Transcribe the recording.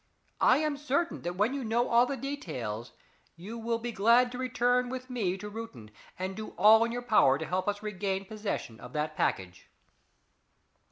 I am certain that when you know all the details you will be glad to return with me to Reuton and do all in your power to help us regain possession of that package."